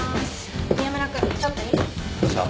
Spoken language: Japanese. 宮村君ちょっといい？